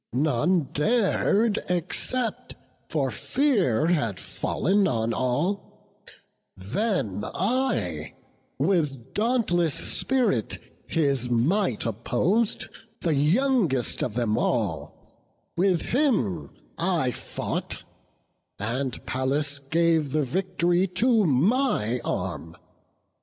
None dar'd accept, for fear had fallen on all; Then I with dauntless spirit his might oppos'd, The youngest of them all; with him I fought, And Pallas gave the vict'ry to my arm.